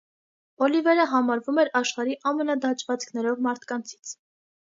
Օլիվերը համարվում է աշխարհի ամենադաջվածքներով մարդկանցից։